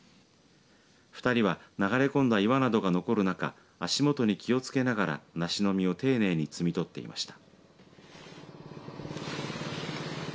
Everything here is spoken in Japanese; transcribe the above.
２人は流れ込んだ岩などが残る中足元に気を付けながら梨の実を丁寧に摘み取っていました。